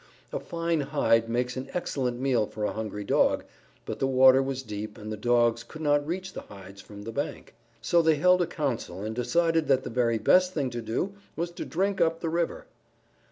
A fine hide makes an excellent meal for a hungry Dog, but the water was deep and the Dogs could not reach the hides from the bank. So they held a council and decided that the very best thing to do was to drink up the river.